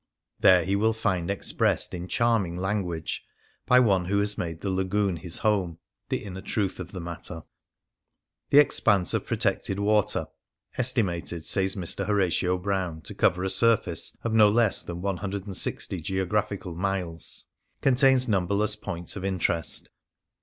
There he will find expressed in charming language, by one who has made the Lagoon his home, the inner truth of the matter. This expanse of protected water — estimated, says Mr. Horatio Brown, to cover a surface of no less than 160 geographical miles — contains numberless points of interest.